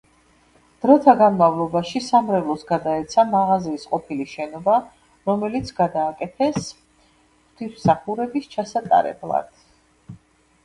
დროტა განამვლობაში სამრევლოს გადაეცა მაღაზიის ყოფილი შენობა, რომელიც გადააკეთეს ღვთისმსახურების ჩასატარებლად.